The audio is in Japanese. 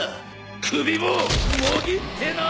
首ももぎってな！